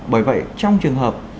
bởi vậy trong trường hợp